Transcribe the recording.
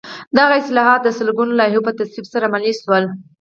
دغه اصلاحات د سلګونو لایحو په تصویب سره عملي شول.